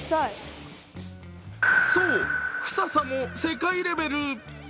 そう、臭さも世界レベル。